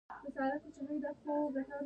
ښایي هغوی عقلمن نه وي.